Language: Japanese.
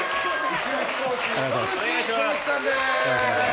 宇宙飛行士、野口聡一さんです。